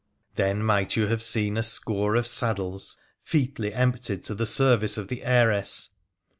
Then might you have seen a score of saddles featly empti( to the service of the heiress